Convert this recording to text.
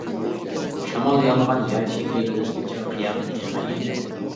شامال يالىغان يەر شەكلى ئۆزگىچە، قىياپىتى غەلىتە.